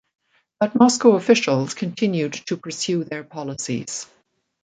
But Moscow officials continued to pursue their policies.